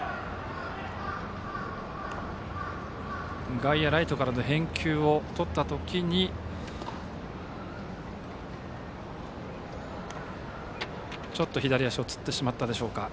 外野、ライトからの返球をとった時にちょっと左足がつってしまったでしょうか。